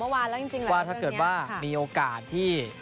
ว่าถ้าเกิดว่ามีโอกาสที่